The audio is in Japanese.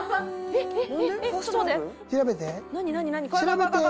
調べて。